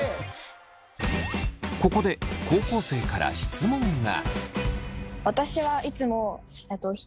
ここで高校生から質問が。